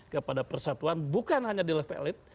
kepada persatuan bukan hanya di level elit